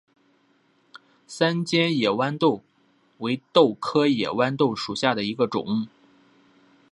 三尖野豌豆为豆科野豌豆属下的一个种。